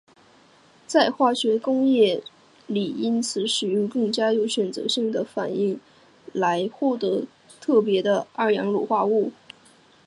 在化学工业里因此使用更加有选择性的反应来获得特别的二碳卤化物。